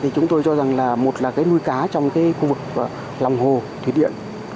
chúng tôi cho rằng một là nuôi cá trong khu vực lòng hồ thủy điện